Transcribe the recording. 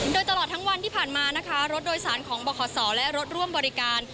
โดยตลอดทั้งวันที่ผ่านมานะคะรถโดยสารของบขศและรถร่วมบริการ